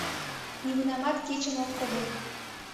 Нигунамат кечым ок кодо.